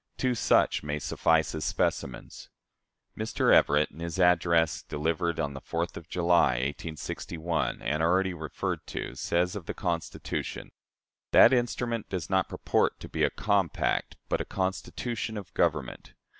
Two such may suffice as specimens: Mr. Edward Everett, in his address delivered on the 4th of July, 1861, and already referred to, says of the Constitution: "That instrument does not purport to be a 'compact,' but a constitution of government.